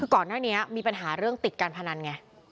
คือก่อนหน้านี้มีปัญหาเรื่องติดการพนันไง